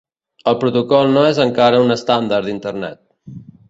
El protocol no és encara un estàndard d'Internet.